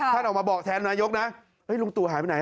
ท่านออกมาบอกแทนนายกนะลุงตู่หายไปไหน